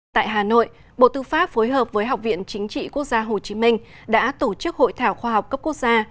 tại hà nội bộ tư pháp phối hợp với học viện chính trị quốc gia hồ chí minh đã tổ chức hội thảo khoa học cấp quốc gia